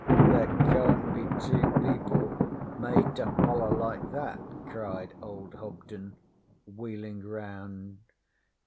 'There can't be two people made to holler like that!' cried old Hobden, wheeling round.